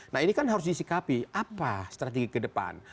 nah ini kan harus disikapi apa strategi ke depan